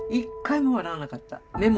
目も笑わなかった。